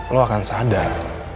lo akan sadar